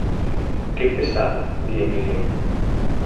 Que pesado –di Emilio–.